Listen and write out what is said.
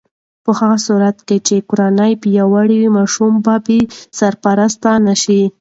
په هغه صورت کې چې کورنۍ پیاوړې وي، ماشوم به بې سرپرسته نه شي.